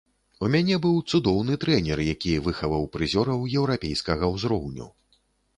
У мяне быў цудоўны трэнер, які выхаваў прызёраў еўрапейскага ўзроўню.